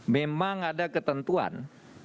memang ada ketentuan